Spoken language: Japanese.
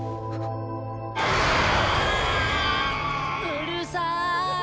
うるさぁい！